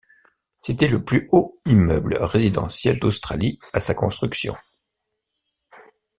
C'était le plus haut immeuble résidentiel d'Australie à sa construction.